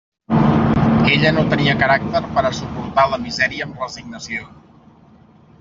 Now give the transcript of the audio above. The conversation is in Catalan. Ella no tenia caràcter per a suportar la misèria amb resignació.